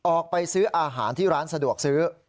ออกไปซื้ออาหารที่ร้านสะดวกซื้อ